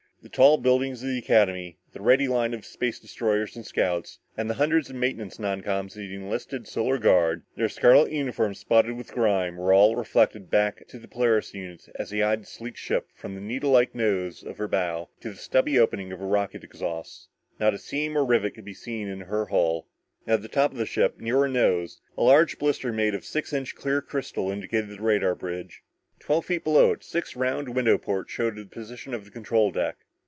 The tall buildings of the Academy, the "ready" line of space destroyers and scouts, and the hundreds of maintenance noncoms of the enlisted Solar Guard, their scarlet uniforms spotted with grime, were all reflected back to the Polaris unit as they eyed the sleek ship from the needlelike nose of her bow to the stubby opening of her rocket exhausts. Not a seam or rivet could be seen in her hull. At the top of the ship, near her nose, a large blister made of six inch clear crystal indicated the radar bridge. Twelve feet below it, six round window ports showed the position of the control deck.